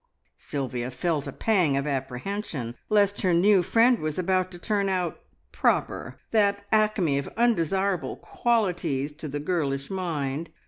Sylvia felt a pang of apprehension lest her new friend was about to turn out "proper," that acme of undesirable qualities to the girlish mind.